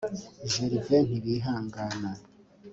Gervain Ntibihangana